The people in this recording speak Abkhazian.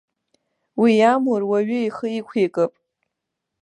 Уи иамур уаҩы ихы иқәикып.